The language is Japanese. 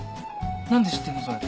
何で知ってんのそれ。